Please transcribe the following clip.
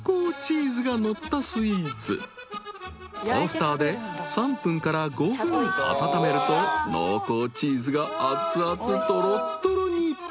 ［トースターで３分から５分温めると濃厚チーズがあつあつとろとろに］